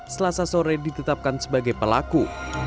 selasa sore ditetapkan sebagai pelaku